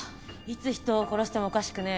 いつ人を殺してもおかしくねえよ。